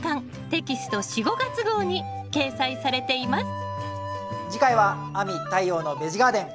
テキスト４・５月号に掲載されています